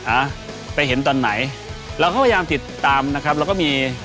อ่ะไปเห็นตอนไหนเราเข้าพยายามติดตามนะครับเราก็มีทีมดูแล